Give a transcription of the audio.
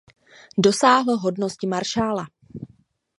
Dosáhl hodnosti maršála.